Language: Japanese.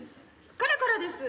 彼からです。